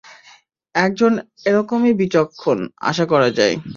একজন এরকমই বিচক্ষণ, আশা করা যায়।